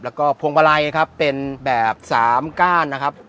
แล้วก็พวงปลายเป็นแบบสามก้านนะครับ